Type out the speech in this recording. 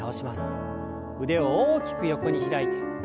腕を大きく横に開いて。